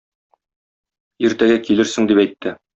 Иртәгә килерсең дип әйтте.